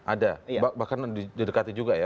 ada bahkan didekati juga ya